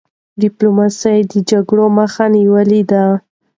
ډيپلوماسی د جګړو مخه نیولې ده.